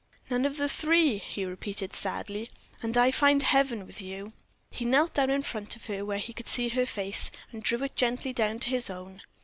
"None of the three!" he repeated, sadly, "and I find heaven with you." He knelt down in front of her, where he could see her face, and he drew it gently down to his own.